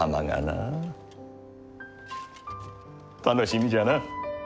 楽しみじゃな。